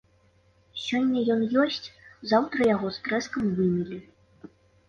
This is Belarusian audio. Сёння ён ёсць, заўтра яго з трэскам вымелі.